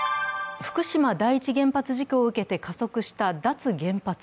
福島第一原発事故を受けて加速した脱原発。